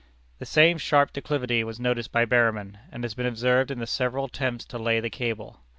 The same sharp declivity was noticed by Berryman, and has been observed in the several attempts to lay the cable.